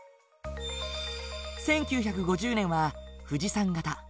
１９５０年は富士山型。